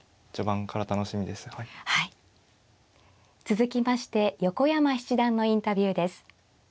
続きまして横山七段のインタビューです。